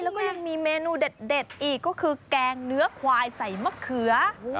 แล้วก็ยังมีเมนูเด็ดอีกก็คือแกงเนื้อควายใส่มะเขือ